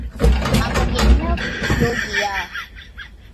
அவர் என்ன யோகியா?